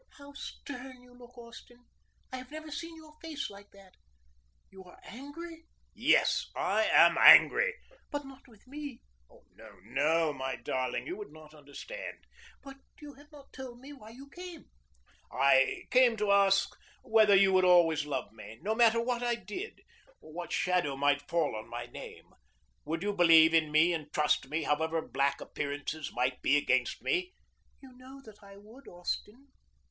"How stern you look, Austin! I have never seen your face like that. You are angry?" "Yes, I am angry." "But not with me?" "No, no, my darling! You would not understand." "But you have not told me why you came." "I came to ask you whether you would always love me no matter what I did, or what shadow might fall on my name. Would you believe in me and trust me however black appearances might be against me?" "You know that I would, Austin."